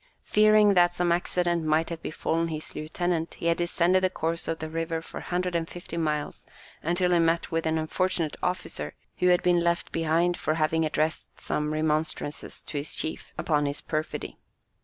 Fearing that some accident might have befallen his lieutenant, he had descended the course of the river for 150 miles, until he met with an unfortunate officer, who had been left behind for having addressed some remonstrances to his chief upon his perfidy.